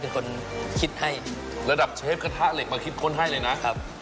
เป็นคนคิดให้ระดับเชฟกระทะเหล็กมาคิดค้นให้เลยนะครับ